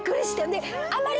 であまり。